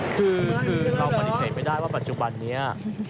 คือท้องบริเวณไม่ได้ว่าปัจจุบันเนี่ย